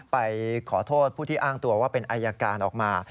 ไปขอโทษผู้ที่อ้างตัวว่าเป็นอายการออกมา